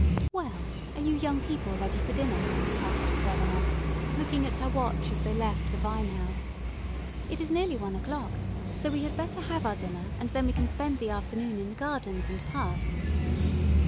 "Well, are you young people ready for dinner?" asked the governess, looking at her watch as they left the vine house. "It is nearly one o'clock, so we had better have our dinner, and then we can spend the afternoon in the gardens and park."